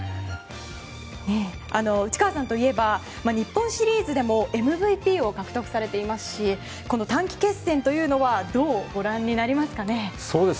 内川さんといえば日本シリーズでもＭＶＰを獲得されていますし短期決戦というのはどうご覧になりますか？